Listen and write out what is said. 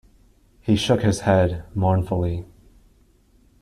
He shook his head mournfully.